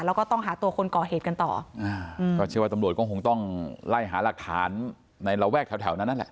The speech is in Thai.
แล้วก็ต้องหาตัวคนก่อเหตุกันต่อ